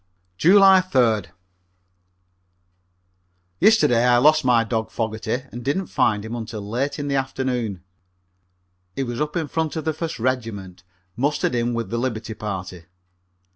July 3d. Yesterday I lost my dog Fogerty and didn't find him until late in the afternoon. He was up in front of the First Regiment, mustered in with the liberty party.